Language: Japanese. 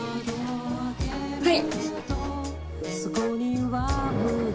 はい！